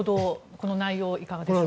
この内容、いかがでしょうか。